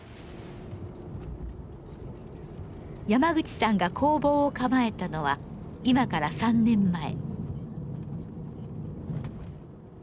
山口さんが工房を構えたのは今から３年前。